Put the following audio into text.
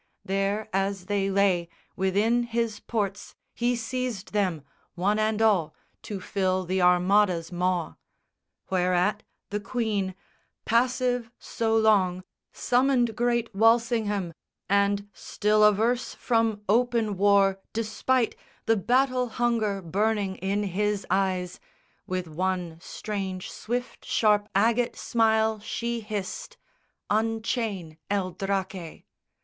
There as they lay Within his ports he seized them, one and all, To fill the Armada's maw. Whereat the Queen, Passive so long, summoned great Walsingham, And, still averse from open war, despite The battle hunger burning in his eyes, With one strange swift sharp agate smile she hissed, "Unchain El Draque!"